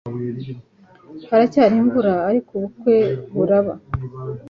Haracyari imvura ariko ubukwe buraba